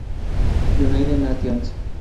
United Nations